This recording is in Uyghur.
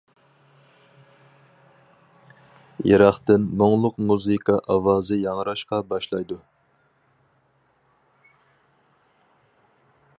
يىراقتىن مۇڭلۇق مۇزىكا ئاۋازى ياڭراشقا باشلايدۇ.